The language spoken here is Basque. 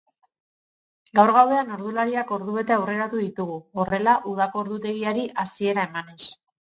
Gaur gauean ordulariak ordubete aurreratu ditugu, horrela udako ordutegiari hasiera emanez.